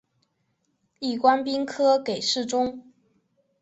历官兵科给事中。